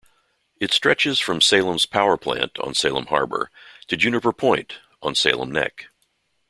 It stretches from Salem's powerplant on Salem Harbor to Juniper Point on Salem Neck.